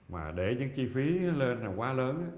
mà để những chi phí lên là quá lớn